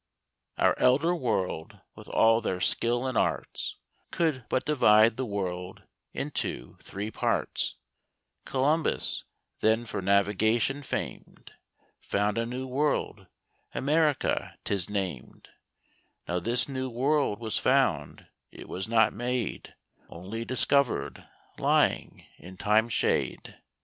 Our Elder World, with all their Skill and Arts, Could but divide the World into three Parts: Columbus, then for Navigation fam'd, Found a new World, America 'tis nam'd; Now this new World was found, it was not made, Onely discovered, lying in Time's shade.